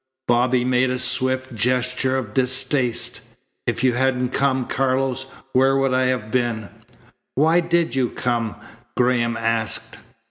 Bobby made a swift gesture of distaste. "If you hadn't come, Carlos, where would I have been?" "Why did you come?" Graham asked.